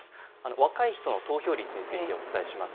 若い人の投票率についてお伝えします。